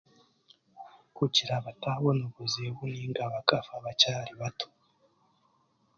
Kugira bataabona obuzibu nainga ... bakyari bato.